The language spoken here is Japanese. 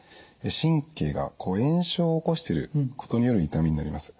神経が炎症を起こしてることによる痛みになります。